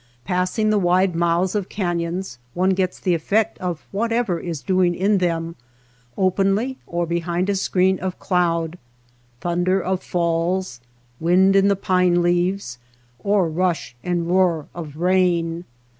Passing the wide mouths of cafions, one gets the effect of whatever is doing in them, openly or behind a screen of cloud, — thunder of falls, wind in the pine leaves, or rush and roar of rain.